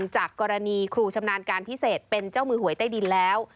จากกรณีครูชำนาญการพิเศษเป็นเจ้ามือหวยใต้ดินแล้ว